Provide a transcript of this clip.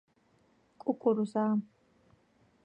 კუკურუზაა